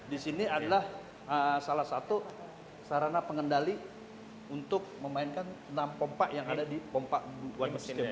di sini adalah salah satu sarana pengendali untuk memainkan enam pompa yang ada di pompa indonesia